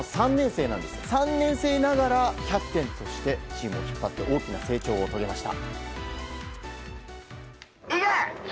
３年生ながら、キャプテンとしてチームを引っ張って大きな成長を遂げました。